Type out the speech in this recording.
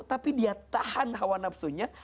tapi dia tahan hawa nafsunya